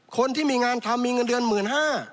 คนที่มีงานทำมีเงินเดือน๑๕๐๐บาท